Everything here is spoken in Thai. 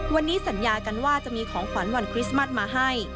วันนี้สัญญากันว่าจะมีของขวัญวันคริสต์มัสมาให้